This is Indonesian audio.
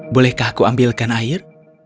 bolehkah aku ambilkan air